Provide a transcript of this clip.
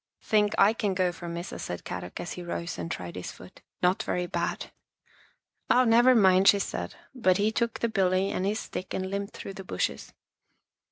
" Think I can go for Missa," said Kadok as he rose and tried his foot. " Not very bad." " Oh, never mind," she said, but he took the billy and his stick and limped through the bushes.